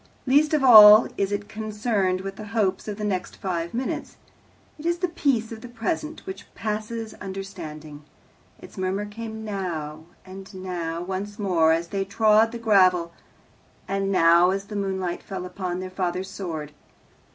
Least of all is it concerned with the hopes of the next five minutes. It is the peace of the present, which passes understanding. Its murmur came "now," and "now" once more as they trod the gravel, and "now," as the moonlight fell upon their father's sword.